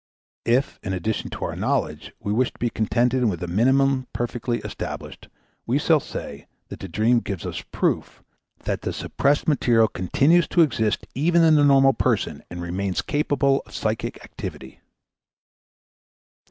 If, in addition to our knowledge, we wish to be contented with a minimum perfectly established, we shall say that the dream gives us proof that the suppressed, material continues to exist even in the normal person and remains capable of psychic activity.